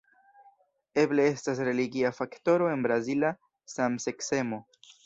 Eble estas religia faktoro en brazila samseksemo.